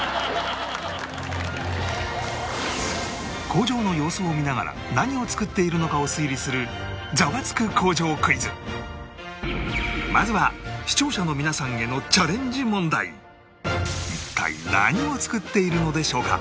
工場の様子を見ながら何を作っているのかを推理するまずは視聴者の皆さんへの一体何を作っているのでしょうか？